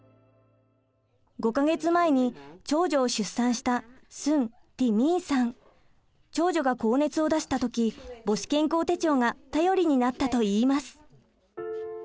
５か月前に長女を出産した長女が高熱を出した時母子健康手帳が頼りになったといいます。